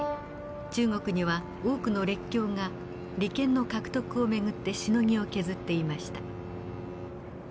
中国には多くの列強が利権の獲得を巡ってしのぎを削っていました。